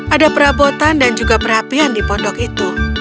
ada perabotan dan juga perapian di pondok itu